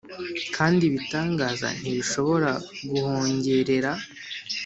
kandi ibitangaza ntibishobora guhongerera.